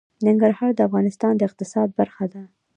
ننګرهار د افغانستان د اقتصاد برخه ده.